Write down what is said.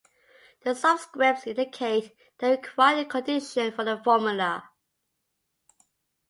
The subscripts indicate the required condition for the formula.